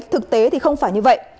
thực tế thì không phải như vậy